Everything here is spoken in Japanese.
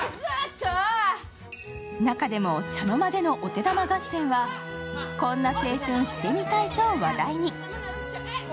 中でも茶の間でのお手玉合戦はこんな青春してみたいと話題に。